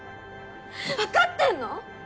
分かってんの⁉